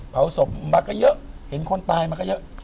เผาศพมาก็เยอะเห็นคนตายมาก็เยอะ